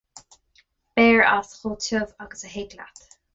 Beir as chomh tiubh agus a thig leat.